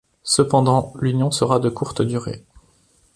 Cependant, l'union sera de courte durée.